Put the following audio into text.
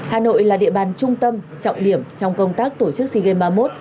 hà nội là địa bàn trung tâm trọng điểm trong công tác tổ chức sigem ba mươi một